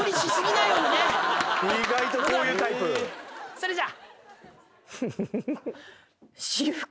それじゃ。